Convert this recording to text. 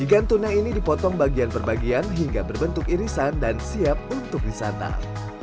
ikan tuna ini dipotong bagian per bagian hingga berbentuk irisan dan siap untuk disantap